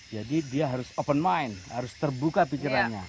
jadi dia harus open mind harus terbuka pikirannya